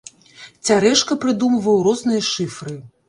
Цярэшка прыдумваў розныя шыфры.